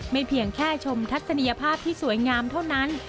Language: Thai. เพียงแค่ชมทัศนียภาพที่สวยงามเท่านั้น